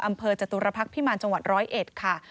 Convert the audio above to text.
อำเภอจตุรพรรคพิมารจังหวัด๑๐๑ค่ะ